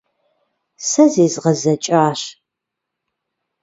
Сэ зезгъэзэкӀащ.